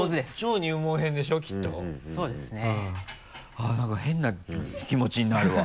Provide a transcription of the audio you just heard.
あっ何か変な気持ちになるわ。